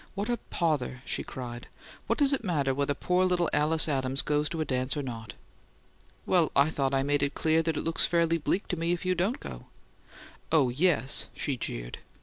"What a pother!" she cried. "What does it matter whether poor little Alice Adams goes to a dance or not?" "Well, I thought I'd made it clear that it looks fairly bleak to me if you don't go." "Oh, yes!" she jeered.